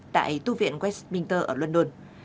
tại tu viện westminster ở london